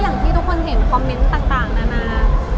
อย่างที่ทุกคนเห็นคอมเมนต์ต่างนานา